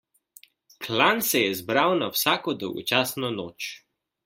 Klan se je zbral na vsako dolgočasno noč.